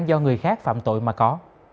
do người khác phạm tội mà có